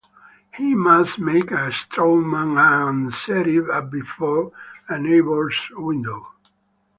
He must make a strawman and set it up before a neighbor's window.